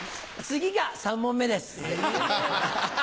次が３問目です。